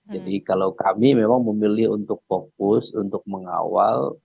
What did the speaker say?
jadi kalau kami memang memilih untuk fokus untuk mengawal